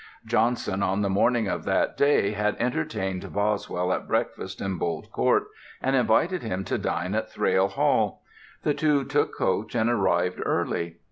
Johnson, on the morning of that day, had entertained Boswell at breakfast in Bolt Court, and invited him to dine at Thrale Hall. The two took coach and arrived early.